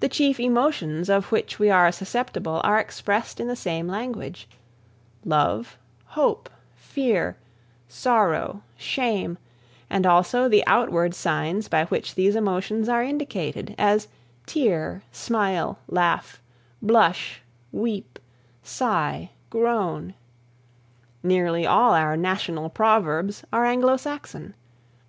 The chief emotions of which we are susceptible are expressed in the same language love, hope, fear, sorrow, shame, and also the outward signs by which these emotions are indicated, as tear, smile, laugh, blush, weep, sigh, groan. Nearly all our national proverbs are Anglo Saxon.